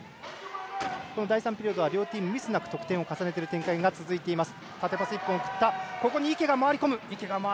第３ピリオドは両チームミスなく得点を重ねる展開が続いています。